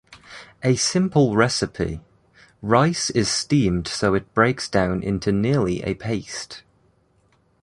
A simple recipe: Rice is steamed so it breaks down into nearly a paste.